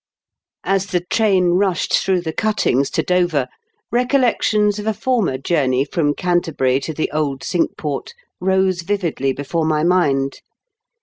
As the train rushed through the cuttings to Dover, recollections of a former journey from Canterbury to the old Cinque Port rose vividly before my mind.